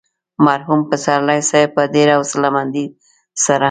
مرحوم پسرلي صاحب په ډېره حوصله مندۍ سره.